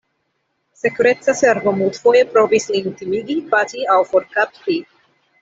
Sekureca Servo multfoje provis lin timigi, bati aŭ forkapti.